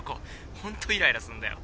ホントイライラすんだよ。